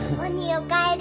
おかえり。